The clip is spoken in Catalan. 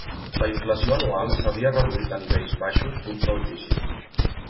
La inflació anual s'havia reduït a nivells baixos d'un sol dígit.